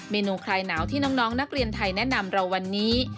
นูคลายหนาวที่น้องนักเรียนไทยแนะนำเราวันนี้